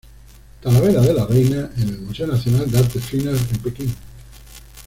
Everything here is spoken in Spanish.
Talavera de la Reyna en el Museo Nacional de Artes Finas en Pekín.